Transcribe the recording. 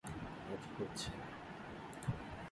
কাজ হচ্ছে না।